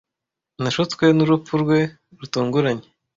Nashutswe n'urupfu rwe rutunguranye.